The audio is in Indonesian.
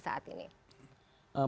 menghadapi pesta demokrasi saat ini